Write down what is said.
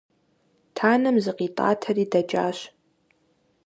Танэм зыкъитӀатэри дэкӀащ.